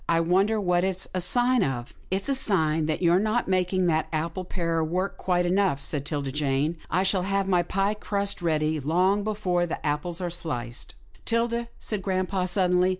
" I wonder what it's a sign of? "" It's a sign that you're not making that apple parer work quick enough," said 'Tilda Jane. " I shall have my pie crust ready, long before the apples are sliced." 126 'TILDA JANE'S ORPHANS " 'Tilda," said grampa suddenly.